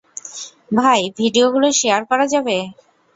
ভাই, ভিডিওগুলো শেয়ার করা যাবে?